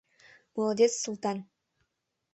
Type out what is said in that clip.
— Молодец, Султан!